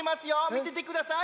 みててください。